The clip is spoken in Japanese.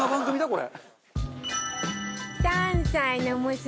これ！